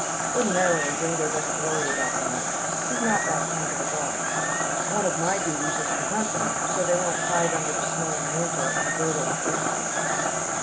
Ordinarily Gringo doesn't worry about the mice. He's not that kind of a dog. One of my duties is to hunt them, so they won't hide under the snow in winter, and girdle the fruit trees.